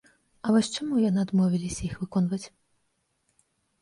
А вось чаму яны адмовіліся іх выконваць?